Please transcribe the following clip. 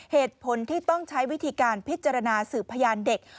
เหตุผลที่ต้องใช้วิธีการพิจารณาสืบพยานเด็ก